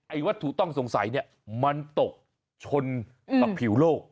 วัตถุต้องสงสัยเนี่ยมันตกชนกับผิวโลก